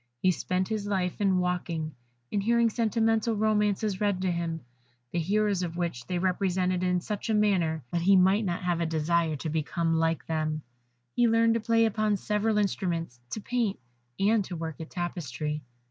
He spent his life in walking; in hearing sentimental romances read to him, the heroes of which they represented in such a manner that he might not have a desire to become like them; he learned to play upon several instruments, to paint, and to work at tapestry.